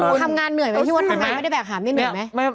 พี่มดทำงานไม่ได้แบกหามนี่เหนื่อยไหม